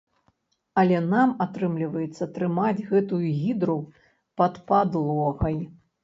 Але нам атрымліваецца трымаць гэтую гідру пад падлогай.